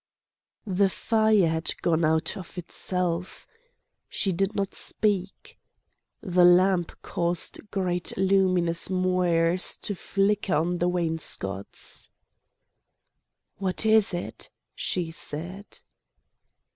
The fire had gone out of itself. She did not speak. The lamp caused great luminous moires to flicker on the wainscots. "What is it?" she said.